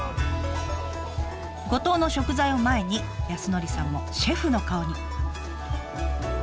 五島の食材を前に康典さんもシェフの顔に。